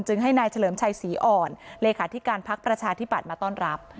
ให้นายเฉลิมชัยศรีอ่อนเลขาธิการพักประชาธิบัติมาต้อนรับ